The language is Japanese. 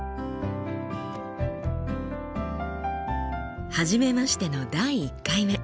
初めましての第１回目。